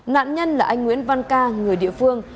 nạn nhân là anh nguyễn văn ca người địa phương